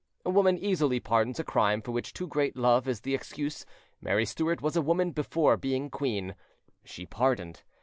A woman easily pardons a crime for which too great love is the excuse: Mary Stuart was woman before being queen—she pardoned.